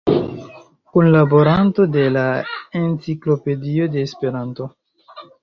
Kunlaboranto de la "Enciklopedio de Esperanto".